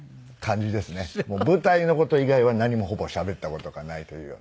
舞台の事以外は何もほぼしゃべった事がないというような。